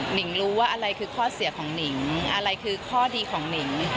นิ่งรู้ว่าอะไรคือข้อเสียของหนิงอะไรคือข้อดีของหนิง